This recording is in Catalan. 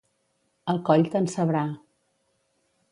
El coll te'n sabrà.